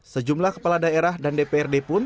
sejumlah kepala daerah dan dprd pun